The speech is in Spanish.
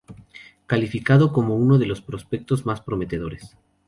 Calificado como uno de los prospectos más prometedores.